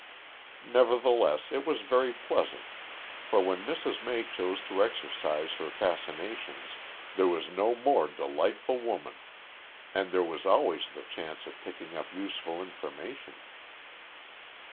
Nevertheless, it was very pleasant, for when Mrs. May chose to exercise her fascinations there was no more delightful woman. And there was always the chance of picking up useful information.